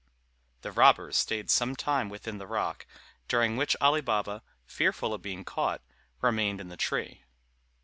The robbers stayed some time within the rock, during which Ali Baba, fearful of being caught, remained in the tree.